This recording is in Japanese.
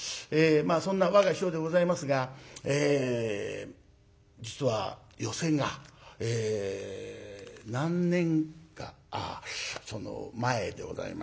そんな我が師匠でございますが実は寄席がえ何年かその前でございましたか